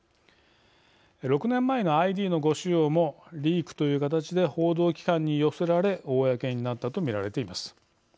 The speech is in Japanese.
６年前のＩＤの誤使用もリークという形で報道機関に寄せられ公になったとみられています。